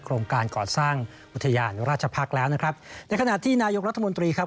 โรงการก่อสร้างอุทยานราชพักษ์แล้วนะครับในขณะที่นายกรัฐมนตรีครับ